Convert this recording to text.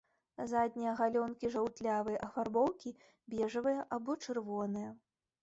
Заднія галёнкі жаўтлявай афарбоўкі, бэжавыя або чырвоныя.